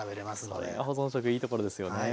それが保存食いいところですよね。